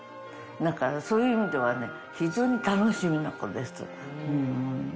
なんか、そういう意味ではね、非常に楽しみな子です。